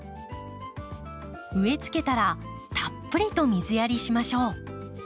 植えつけたらたっぷりと水やりしましょう。